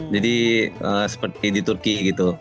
jadi seperti di turki gitu